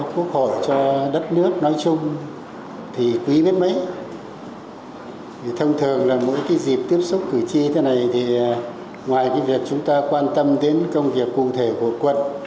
khi dịp tiếp xúc cử tri thế này ngoài việc chúng ta quan tâm đến công việc cụ thể của quận